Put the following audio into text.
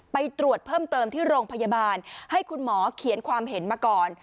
ไปตรวจเพิ่มเติมที่โรงพยาบาลให้คุณหมอเขียนความเห็นมาก่อน